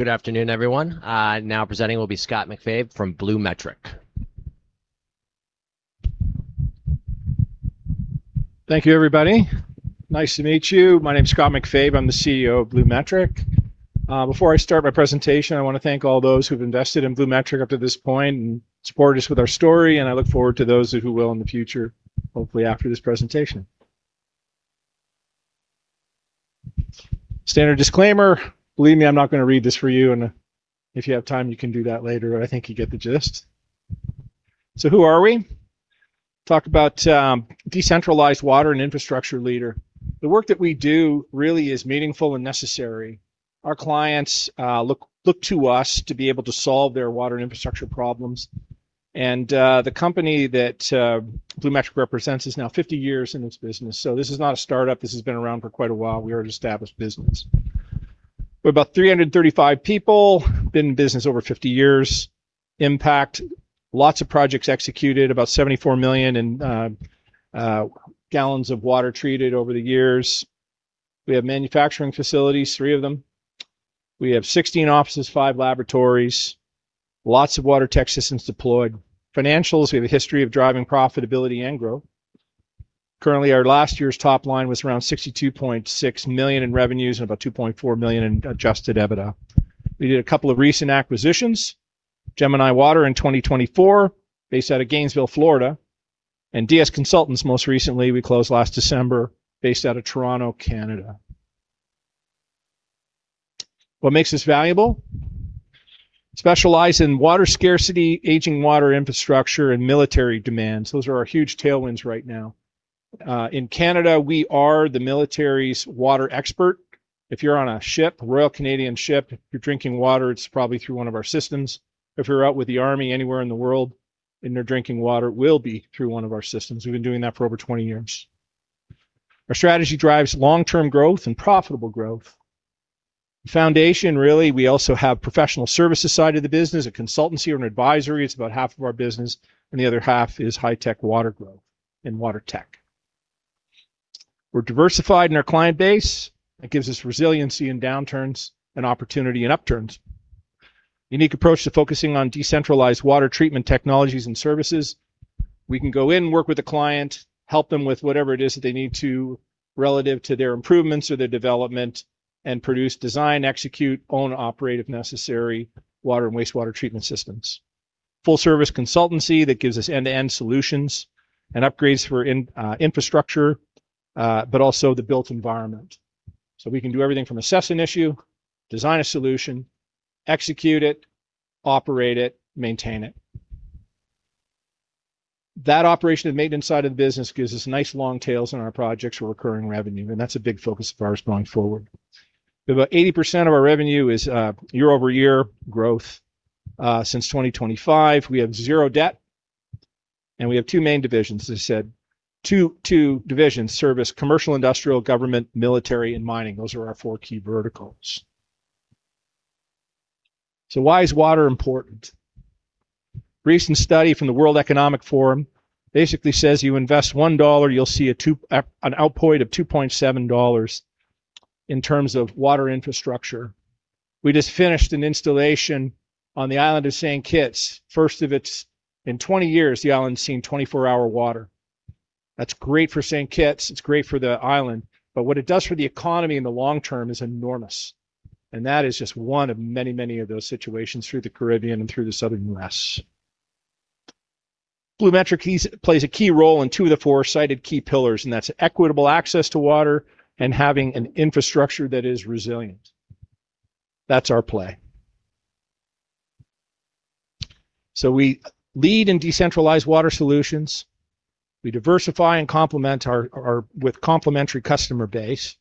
Good afternoon, everyone. Now presenting will be Scott MacFabe from BluMetric. Thank you, everybody. Nice to meet you. My name's Scott MacFabe. I'm the CEO of BluMetric. Before I start my presentation, I want to thank all those who've invested in BluMetric up to this point and supported us with our story, and I look forward to those who will in the future, hopefully, after this presentation. Standard disclaimer, believe me, I'm not going to read this for you. And if you have time, you can do that later, but I think you get the gist. Who are we? Talk about decentralized water and infrastructure leader. The work that we do really is meaningful and necessary. Our clients look to us to be able to solve their water infrastructure problems, and the company that BluMetric represents is now 50 years in this business. This is not a startup. This has been around for quite a while. We are an established business. We're about 335 people. Been in business over 50 years. Impact, lots of projects executed, about 74 million in gal of water treated over the years. We have manufacturing facilities, three of them. We have 16 offices, five laboratories, lots of WaterTech systems deployed. Financials, we have a history of driving profitability and growth. Currently, our last year's top line was around 62.6 million in revenues and about 2.4 million in adjusted EBITDA. We did a couple of recent acquisitions, Gemini Water in 2024, based out of Gainesville, Florida, and DS Consultants most recently. We closed last December, based out of Toronto, Canada. What makes us valuable? Specialize in water scarcity, aging water infrastructure, and military demands. Those are our huge tailwinds right now. In Canada, we are the military's water expert. If you're on a ship, Royal Canadian ship, if you're drinking water, it's probably through one of our systems. If you're out with the army anywhere in the world and you're drinking water, it will be through one of our systems. We've been doing that for over 20 years. Our strategy drives long-term growth and profitable growth. The foundation, really, we also have professional services side of the business, a consultancy or an advisory. It's about half of our business, and the other half is high-tech water growth and WaterTech. We're diversified in our client base. That gives us resiliency in downturns and opportunity in upturns. Unique approach to focusing on decentralized water treatment technologies and services. We can go in, work with a client, help them with whatever it is that they need to relative to their improvements or their development, and produce, design, execute, own, operate if necessary, water and wastewater treatment systems. Full-service consultancy that gives us end-to-end solutions and upgrades for infrastructure, but also the built environment. We can do everything from assess an issue, design a solution, execute it, operate it, maintain it. That operation and maintenance side of the business gives us nice long tails on our projects for recurring revenue, and that's a big focus of ours going forward. About 80% of our revenue is year-over-year growth since 2025. We have zero debt, and we have two main divisions, as I said. Two divisions service commercial, industrial, government, military, and mining. Those are our four key verticals. Why is water important? Recent study from the World Economic Forum basically says you invest 1 dollar, you'll see an outpoint of 2.7 dollars in terms of water infrastructure. We just finished an installation on the island of Saint Kitts. First in 20 years, the island's seen 24-hour water. That's great for Saint Kitts. It's great for the island. What it does for the economy in the long term is enormous, and that is just one of many of those situations through the Caribbean and through the Southern U.S. BluMetric plays a key role in two of the four cited key pillars, and that's equitable access to water and having an infrastructure that is resilient. That's our play. We lead in decentralized water solutions. We diversify and complement with complementary customer base.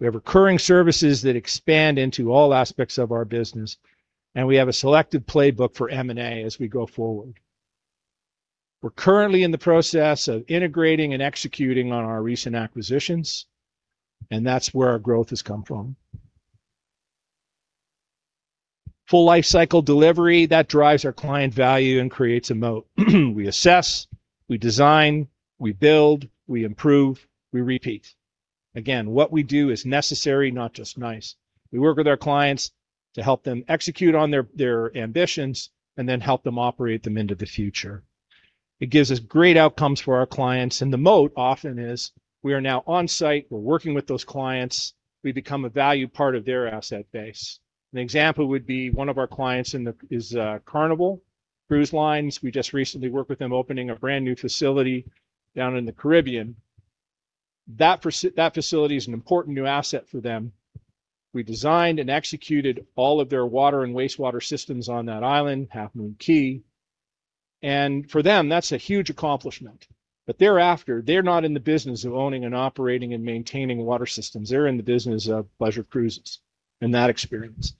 We have recurring services that expand into all aspects of our business, and we have a selected playbook for M&A as we go forward. We're currently in the process of integrating and executing on our recent acquisitions, and that's where our growth has come from. Full lifecycle delivery, that drives our client value and creates a moat. We assess, we design, we build, we improve, we repeat. Again, what we do is necessary, not just nice. We work with our clients to help them execute on their ambitions and then help them operate them into the future. It gives us great outcomes for our clients, and the moat often is we are now on site. We're working with those clients. We become a value part of their asset base. An example would be one of our clients is Carnival Cruise Line. We just recently worked with them opening a brand-new facility down in the Caribbean. That facility is an important new asset for them. We designed and executed all of their water and wastewater systems on that island, Half Moon Cay. For them, that's a huge accomplishment. Thereafter, they're not in the business of owning and operating and maintaining water systems. They're in the business of pleasure cruises and that experience.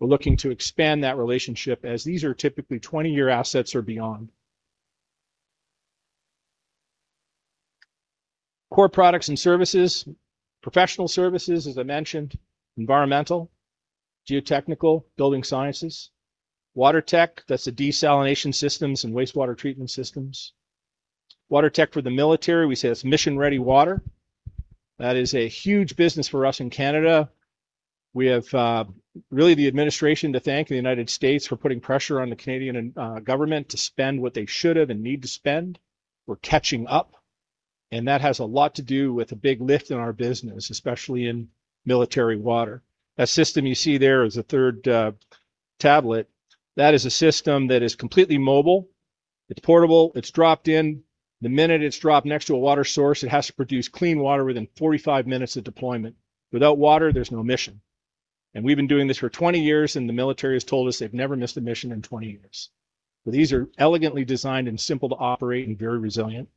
We're looking to expand that relationship as these are typically 20-year assets or beyond. Core products and services. Professional services, as I mentioned, environmental, geotechnical, building sciences. WaterTech, that's the desalination systems and wastewater treatment systems. WaterTech for the military, we say it's mission-ready water. That is a huge business for us in Canada. We have really the administration to thank in the United States for putting pressure on the Canadian government to spend what they should have and need to spend. We're catching up, and that has a lot to do with a big lift in our business, especially in military water. That system you see there is a third tablet. That is a system that is completely mobile. It's portable. It's dropped in. The minute it's dropped next to a water source, it has to produce clean water within 45 minutes of deployment. Without water, there's no mission. We've been doing this for 20 years, and the military has told us they've never missed a mission in 20 years. These are elegantly designed and simple to operate and very resilient.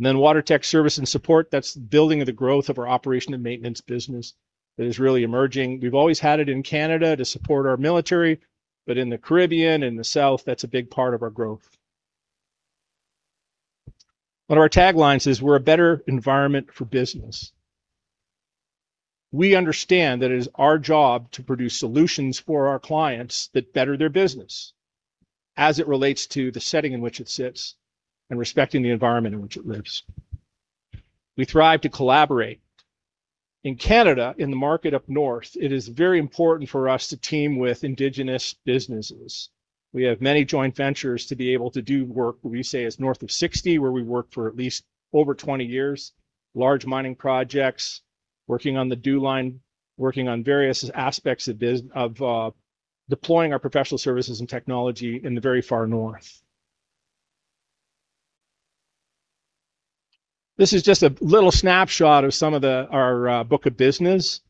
WaterTech service and support, that's the building of the growth of our operation and maintenance business that is really emerging. We've always had it in Canada to support our military. In the Caribbean and the South, that's a big part of our growth. One of our taglines is "We're a better environment for business." We understand that it is our job to produce solutions for our clients that better their business as it relates to the setting in which it sits and respecting the environment in which it lives. We thrive to collaborate. In Canada, in the market up north, it is very important for us to team with indigenous businesses. We have many joint ventures to be able to do work we say is north of 60, where we work for at least over 20 years, large mining projects, working on the DEW Line, working on various aspects of deploying our professional services and technology in the very far north. This is just a little snapshot of some of our book of business.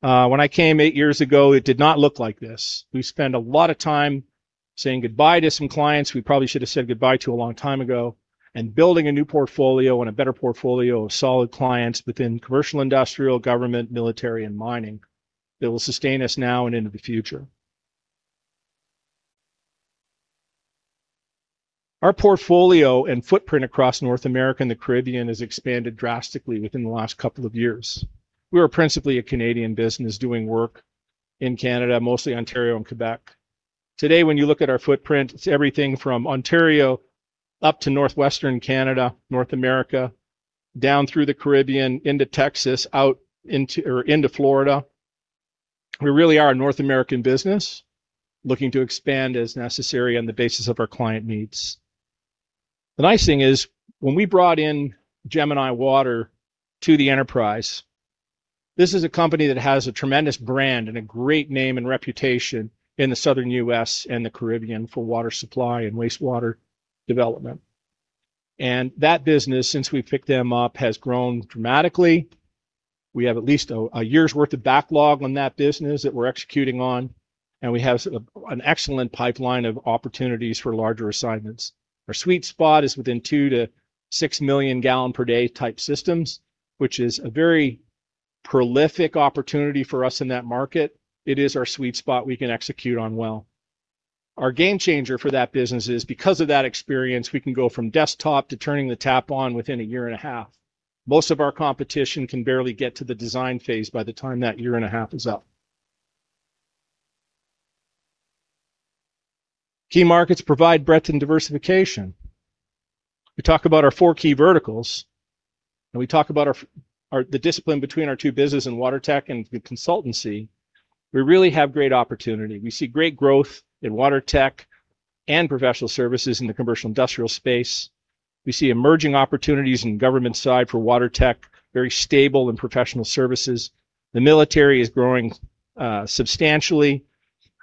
When I came eight years ago, it did not look like this. We spent a lot of time saying goodbye to some clients we probably should have said goodbye to a long time ago and building a new portfolio and a better portfolio of solid clients within commercial, industrial, government, military, and mining that will sustain us now and into the future. Our portfolio and footprint across North America and the Caribbean has expanded drastically within the last couple of years. We were principally a Canadian business doing work in Canada, mostly Ontario and Quebec. Today, when you look at our footprint, it's everything from Ontario up to Northwestern Canada, North America, down through the Caribbean into Texas, out into Florida. We really are a North American business looking to expand as necessary on the basis of our client needs. The nice thing is when we brought in Gemini Water to the enterprise, this is a company that has a tremendous brand and a great name and reputation in the Southern U.S. and the Caribbean for water supply and wastewater development. That business, since we picked them up, has grown dramatically. We have at least a year's worth of backlog on that business that we're executing on, and we have an excellent pipeline of opportunities for larger assignments. Our sweet spot is within 2 to 6-million-gallon-per-day type systems, which is a very prolific opportunity for us in that market. It is our sweet spot we can execute on well. Our game changer for that business is because of that experience, we can go from desktop to turning the tap on within a year and a half. Most of our competition can barely get to the design phase by the time that year and a half is up. Key markets provide breadth and diversification. We talk about our four key verticals, and we talk about the discipline between our two business in WaterTech and the consultancy. We really have great opportunity. We see great growth in WaterTech and professional services in the commercial industrial space. We see emerging opportunities in government side for WaterTech, very stable and professional services. The military is growing substantially.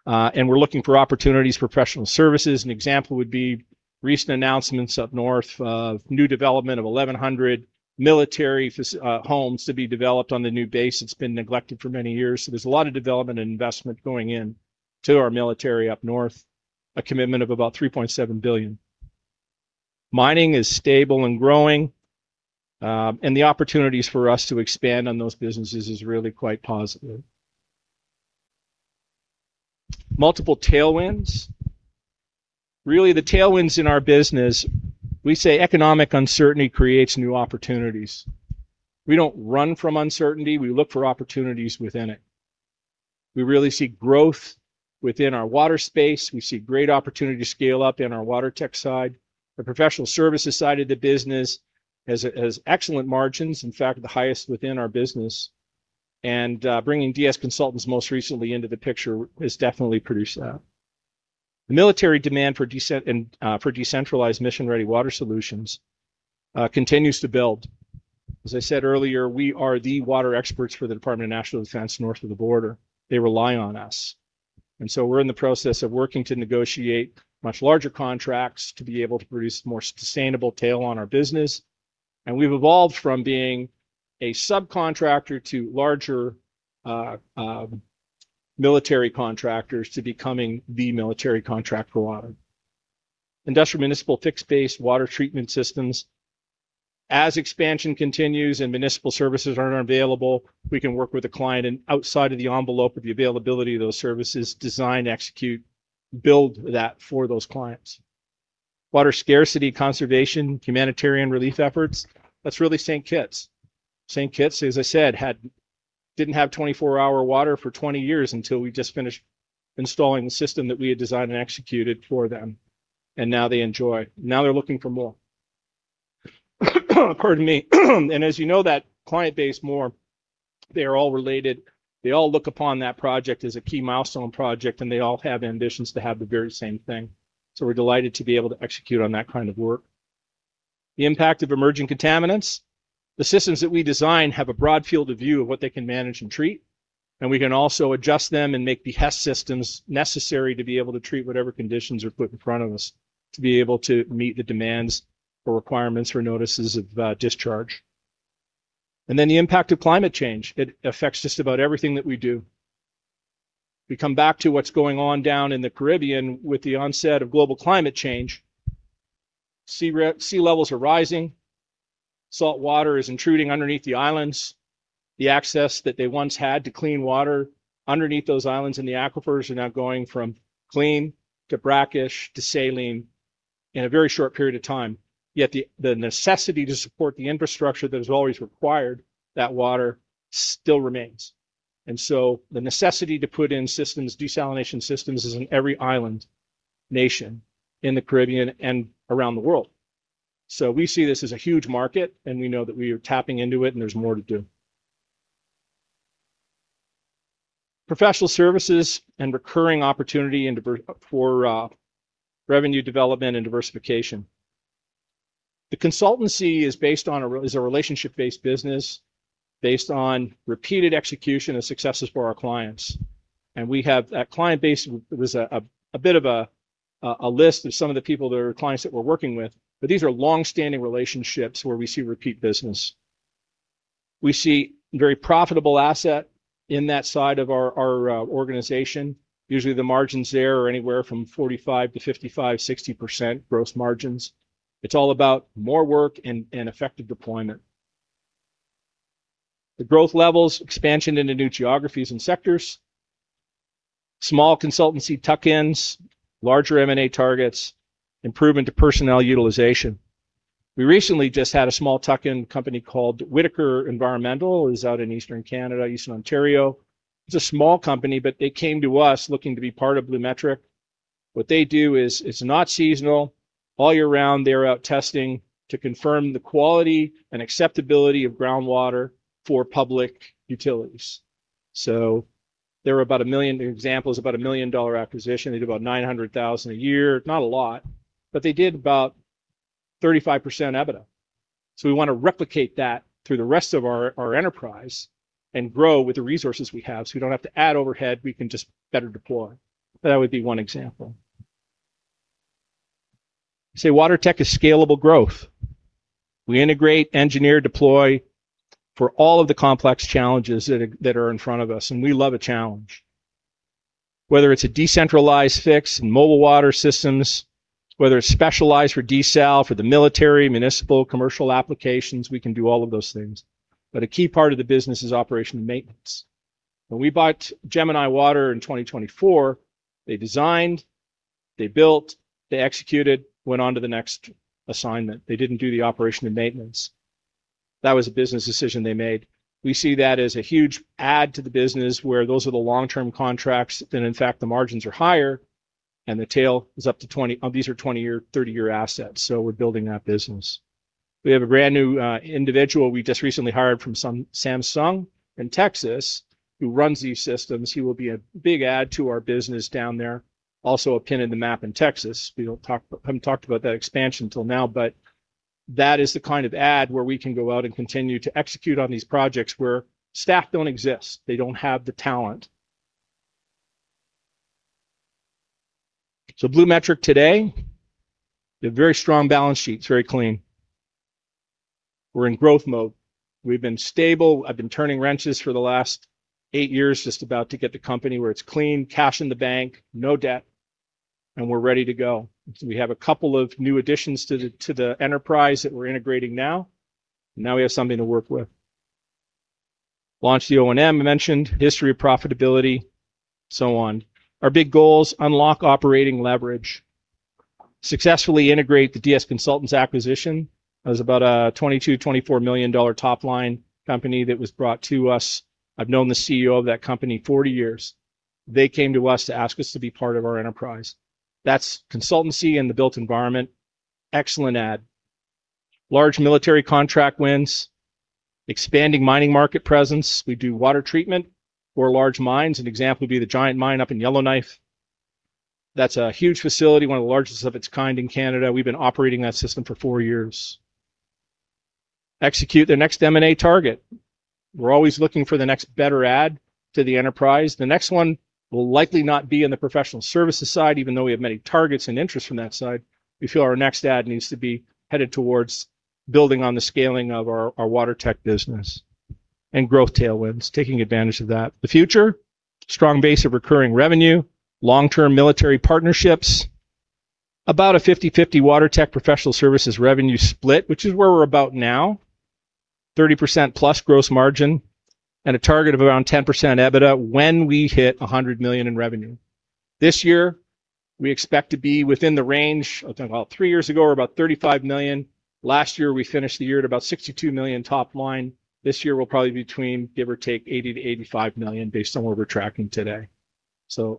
We're looking for opportunities for professional services. An example would be recent announcements up north of new development of 1,100 military homes to be developed on the new base that's been neglected for many years. There's a lot of development and investment going in to our military up north, a commitment of about 3.7 billion. Mining is stable and growing. The opportunities for us to expand on those businesses is really quite positive. Multiple tailwinds. The tailwinds in our business, we say economic uncertainty creates new opportunities. We don't run from uncertainty. We look for opportunities within it. We really see growth within our water space. We see great opportunity to scale up in our WaterTech side. The professional services side of the business has excellent margins, in fact, the highest within our business. Bringing DS Consultants most recently into the picture has definitely produced that. The military demand for decentralized mission-ready water solutions continues to build. As I said earlier, we are the water experts for the Department of National Defence north of the border. They rely on us. We're in the process of working to negotiate much larger contracts to be able to produce more sustainable tail on our business. We've evolved from being a subcontractor to larger military contractors to becoming the military contractor for water. Industrial municipal fixed-based water treatment systems. As expansion continues and municipal services aren't available, we can work with a client outside of the envelope of the availability of those services, design, execute, build that for those clients. Water scarcity, conservation, humanitarian relief efforts. That's really St. Kitts. St. Kitts, as I said, didn't have 24-hour water for 20 years until we just finished installing the system that we had designed and executed for them, and now they enjoy. Now they're looking for more. Pardon me. As you know, that client base more, they're all related, they all look upon that project as a key milestone project, and they all have ambitions to have the very same thing. We're delighted to be able to execute on that kind of work. The impact of emerging contaminants. The systems that we design have a broad field of view of what they can manage and treat, and we can also adjust them and make the HSE systems necessary to be able to treat whatever conditions are put in front of us to be able to meet the demands or requirements for notices of discharge. The impact of climate change. It affects just about everything that we do. We come back to what's going on down in the Caribbean with the onset of global climate change. Sea levels are rising. Saltwater is intruding underneath the islands. The access that they once had to clean water underneath those islands and the aquifers are now going from clean to brackish to saline in a very short period of time. Yet the necessity to support the infrastructure that has always required that water still remains. The necessity to put in desalination systems is in every island nation in the Caribbean and around the world. We see this as a huge market, and we know that we are tapping into it and there's more to do. Professional services and recurring opportunity for revenue development and diversification. The consultancy is a relationship-based business based on repeated execution and successes for our clients. We have that client base, it was a bit of a list of some of the people that are clients that we're working with, but these are longstanding relationships where we see repeat business. We see very profitable asset in that side of our organization. Usually, the margins there are anywhere from 45% to 55%, 60% gross margins. It's all about more work and effective deployment. The growth levels, expansion into new geographies and sectors, small consultancy tuck-ins, larger M&A targets, improvement to personnel utilization. We recently just had a small tuck-in company called Whitteker Environmental, is out in eastern Canada, eastern Ontario. It's a small company, but they came to us looking to be part of BluMetric. What they do is, it's not seasonal. All year round, they're out testing to confirm the quality and acceptability of groundwater for public utilities. They're about 1 million examples, about a 1 million dollar acquisition. They do about 900,000 a year. Not a lot, but they did about 35% EBITDA. We want to replicate that through the rest of our enterprise and grow with the resources we have, so we don't have to add overhead. We can just better deploy. That would be one example. WaterTech is scalable growth. We integrate, engineer, deploy for all of the complex challenges that are in front of us, and we love a challenge. Whether it's a decentralized fix in mobile water systems, whether it's specialized for desal, for the military, municipal, commercial applications, we can do all of those things. A key part of the business is operation and maintenance. When we bought Gemini Water in 2024, they designed, they built, they executed, went on to the next assignment. They didn't do the operation and maintenance. That was a business decision they made. We see that as a huge add to the business, where those are the long-term contracts, and in fact, the margins are higher, and these are 20-year, 30-year assets. We're building that business. We have a brand new individual we just recently hired from Samsung in Texas who runs these systems. He will be a big add to our business down there. Also a pin in the map in Texas. We haven't talked about that expansion till now, but that is the kind of add where we can go out and continue to execute on these projects where staff don't exist. They don't have the talent. BluMetric today, we have very strong balance sheets, very clean. We're in growth mode. We've been stable. I've been turning wrenches for the last eight years, just about to get the company where it's clean, cash in the bank, no debt, and we're ready to go. We have a couple of new additions to the enterprise that we're integrating now. Now we have something to work with. Launch the O&M, I mentioned, history of profitability, so on. Our big goals, unlock operating leverage, successfully integrate the DS Consultants acquisition. That was about a 22 million-24 million dollar top-line company that was brought to us. I've known the CEO of that company 40 years. They came to us to ask us to be part of our enterprise. That's consultancy in the built environment. Excellent add. Large military contract wins, expanding mining market presence. We do water treatment for large mines. An example would be the Giant Mine up in Yellowknife. That's a huge facility, one of the largest of its kind in Canada. We've been operating that system for 4 years. Execute the next M&A target. We're always looking for the next better add to the enterprise. The next one will likely not be in the professional services side, even though we have many targets and interest from that side. We feel our next add needs to be headed towards building on the scaling of our WaterTech business and growth tailwinds, taking advantage of that. The future, strong base of recurring revenue, long-term military partnerships, about a 50/50 WaterTech professional services revenue split, which is where we're about now, 30%+ gross margin, and a target of around 10% EBITDA when we hit 100 million in revenue. This year We expect to be within the range, I'm talking about 3 years ago, we were about 35 million. Last year, we finished the year at about 62 million top line. This year, we'll probably be between, give or take, 80 million-85 million based on where we're tracking today.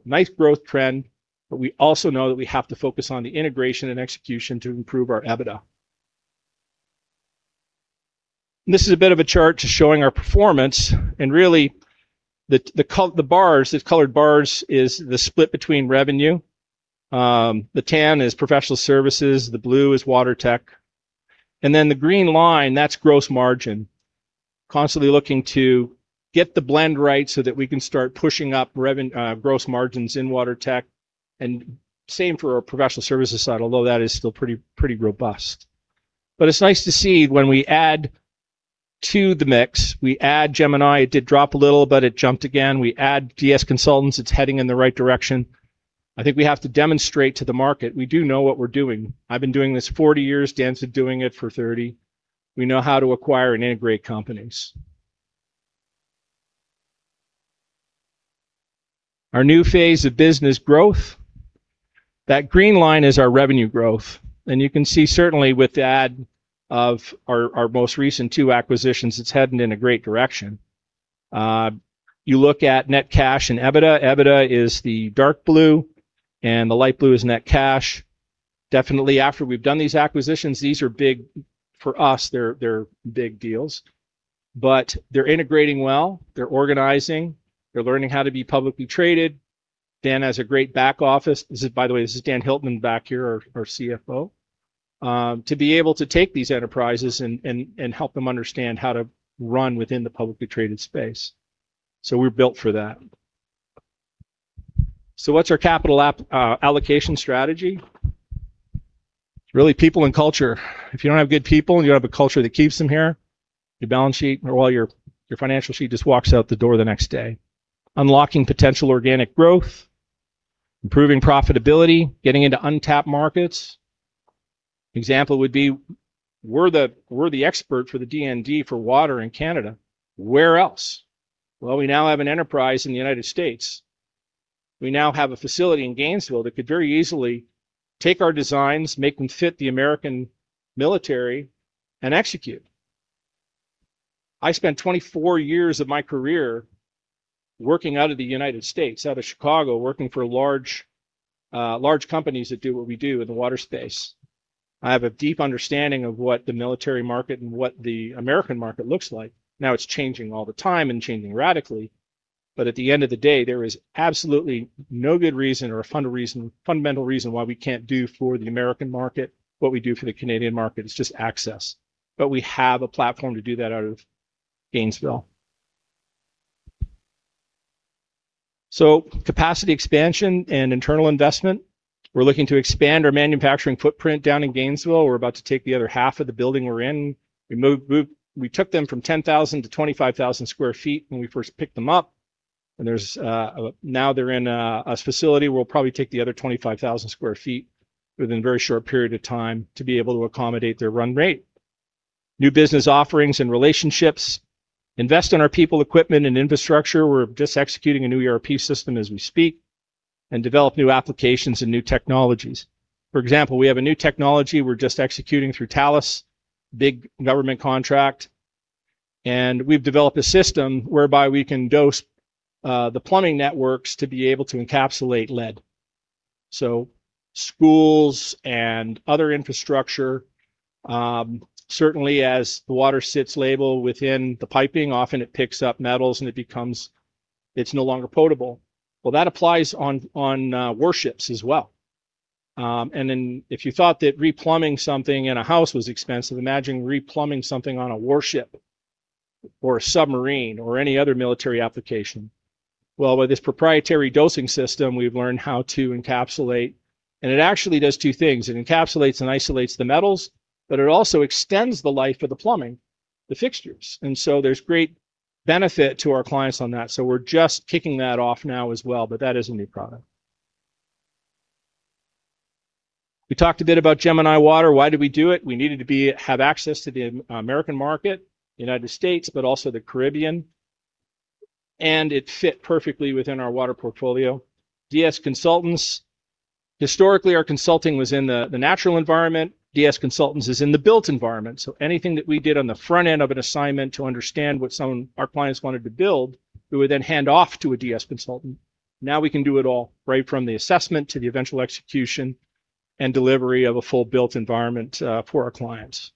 Nice growth trend, but we also know that we have to focus on the integration and execution to improve our EBITDA. This is a bit of a chart just showing our performance, and really the colored bars is the split between revenue. The tan is professional services, the blue is WaterTech, and then the green line, that's gross margin. Constantly looking to get the blend right so that we can start pushing up gross margins in WaterTech and same for our professional services side, although that is still pretty robust. It's nice to see when we add to the mix, we add Gemini. It did drop a little, but it jumped again. We add DS Consultants. It's heading in the right direction. I think we have to demonstrate to the market we do know what we're doing. I've been doing this 40 years. Dan's been doing it for 30. We know how to acquire and integrate companies. Our new phase of business growth, that green line is our revenue growth, and you can see certainly with the add of our most recent two acquisitions, it's heading in a great direction. You look at net cash and EBITDA. EBITDA is the dark blue and the light blue is net cash. Definitely after we've done these acquisitions, for us, they're big deals. They're integrating well. They're organizing. They're learning how to be publicly traded. Dan has a great back office. By the way, this is Dan Hilton back here, our CFO. To be able to take these enterprises and help them understand how to run within the publicly traded space. We're built for that. What's our capital allocation strategy? Really people and culture. If you don't have good people, and you don't have a culture that keeps them here, your financial sheet just walks out the door the next day. Unlocking potential organic growth, improving profitability, getting into untapped markets. An example would be we're the expert for the DND for water in Canada. Where else? Well, we now have an enterprise in the U.S. We now have a facility in Gainesville that could very easily take our designs, make them fit the American military, and execute. I spent 24 years of my career working out of the U.S., out of Chicago, working for large companies that do what we do in the water space. I have a deep understanding of what the military market and what the American market looks like. Now it's changing all the time and changing radically, at the end of the day, there is absolutely no good reason or a fundamental reason why we can't do for the American market what we do for the Canadian market. It's just access. We have a platform to do that out of Gainesville. Capacity expansion and internal investment. We're looking to expand our manufacturing footprint down in Gainesville. We're about to take the other half of the building we're in. We took them from 10,000-25,000 sq ft when we first picked them up. Now they're in a facility where we'll probably take the other 25,000 sq ft within a very short period of time to be able to accommodate their run rate. New business offerings and relationships. Invest in our people, equipment, and infrastructure. We're just executing a new ERP system as we speak. Develop new applications and new technologies. For example, we have a new technology we're just executing through Thales, big government contract, and we've developed a system whereby we can dose the plumbing networks to be able to encapsulate lead. Schools and other infrastructure, certainly as the water sits label within the piping, often it picks up metals and it's no longer potable. That applies on warships as well. If you thought that replumbing something in a house was expensive, imagine replumbing something on a warship or a submarine or any other military application. With this proprietary dosing system, we've learned how to encapsulate, and it actually does two things. It encapsulates and isolates the metals, but it also extends the life of the plumbing, the fixtures. There's great benefit to our clients on that, so we're just kicking that off now as well, but that is a new product. We talked a bit about Gemini Water. Why did we do it? We needed to have access to the American market, U.S., but also the Caribbean, and it fit perfectly within our water portfolio. DS Consultants, historically, our consulting was in the natural environment. DS Consultants is in the built environment, anything that we did on the front end of an assignment to understand what our clients wanted to build, we would then hand off to a DS consultant. Now we can do it all right from the assessment to the eventual execution and delivery of a full built environment for our clients.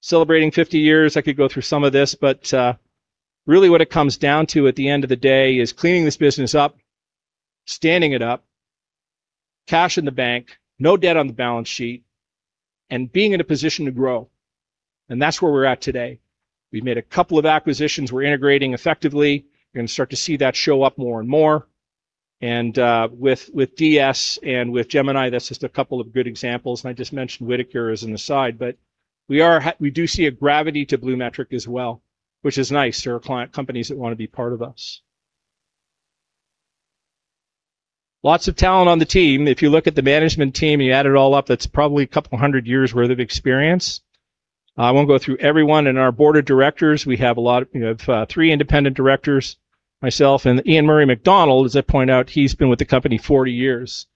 Celebrating 50 years. I could go through some of this, really what it comes down to at the end of the day is cleaning this business up, standing it up, cash in the bank, no debt on the balance sheet, and being in a position to grow, and that's where we're at today. We've made a couple of acquisitions. We're integrating effectively. You're going to start to see that show up more and more. With DS and with Gemini, that's just a couple of good examples, and I just mentioned Whitteker as an aside, we do see a gravity to BluMetric as well, which is nice. There are client companies that want to be part of us. Lots of talent on the team. If you look at the management team, you add it all up, that's probably a couple of hundred years' worth of experience. I won't go through everyone in our board of directors. We have three independent directors, myself and Ian Murray Macdonald, as I point out, he's been with the company 40 years.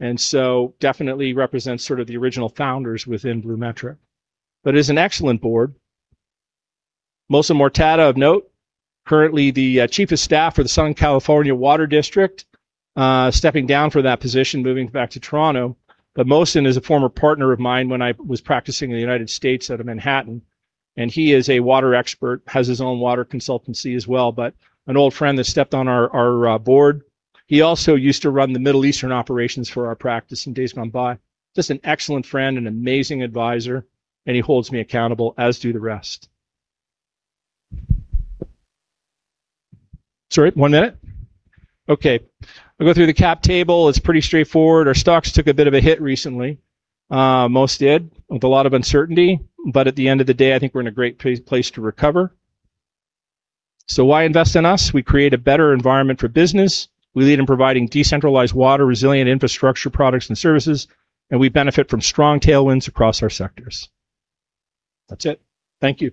Definitely represents sort of the original founders within BluMetric. Is an excellent board. Mohsen Mortada of note, currently the Chief of Staff for the Southern California Water District, stepping down from that position, moving back to Toronto. Mohsen is a former partner of mine when I was practicing in the United States out of Manhattan. He is a water expert, has his own water consultancy as well. An old friend that stepped on our board. He also used to run the Middle Eastern operations for our practice in days gone by. Just an excellent friend, an amazing advisor. He holds me accountable, as do the rest. Sorry, one minute? Okay. I'll go through the cap table. It's pretty straightforward. Our stocks took a bit of a hit recently. Most did, with a lot of uncertainty. At the end of the day, I think we're in a great place to recover. Why invest in us? We create a better environment for business. We lead in providing decentralized water-resilient infrastructure products and services. We benefit from strong tailwinds across our sectors. That's it. Thank you.